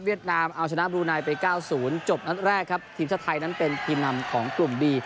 เวียดนามเอาชนะบรูไนท์ไปก้าวศูนย์จบนั้นแรกครับทีมชาติไทยนั้นเป็นทีมนำของกลุ่มดี